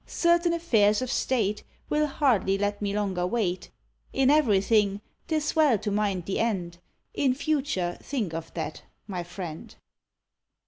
Certain affairs of state Will hardly let me longer wait; In everything 'tis well to mind the end, In future think of that, my friend."